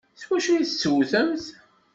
S wacu ay tettewtemt?